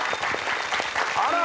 あら！